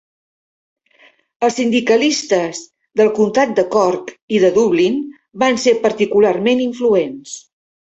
Els sindicalistes del comtat de Cork i de Dublín van ser particularment influents.